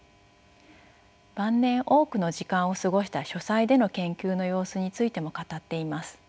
晩年多くの時間を過ごした書斎での研究の様子についても語っています。